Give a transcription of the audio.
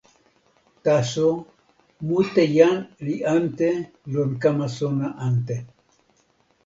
taso, mute jan li ante lon kama sona ante.